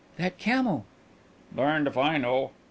That camel?" "Darned if I know."